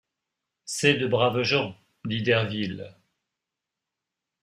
C’est de braves gens! dit Derville.